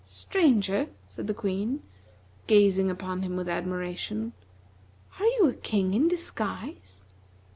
"Stranger," said the Queen, gazing upon him with admiration, "are you a king in disguise?"